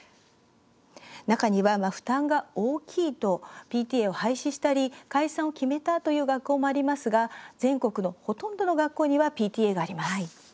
中には、負担が大きいとＰＴＡを廃止したり解散を決めたという学校もありますが全国のほとんどの学校にはＰＴＡがあります。